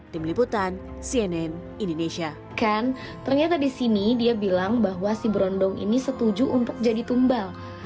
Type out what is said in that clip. demi liputan cnn indonesia